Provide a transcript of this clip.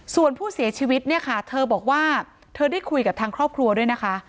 ส่วนผู้เสียชีวิตเนี่ยค่ะเธอบอกว่าเธอได้คุยกับทางครอบครัวด้วยนะคะ